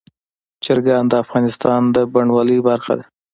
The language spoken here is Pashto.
چرګان د افغانستان د بڼوالۍ برخه ده.